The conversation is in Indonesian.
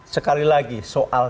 sekali lagi soal